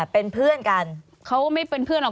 เป็นเพื่อนกันเขาไม่เป็นเพื่อนหรอก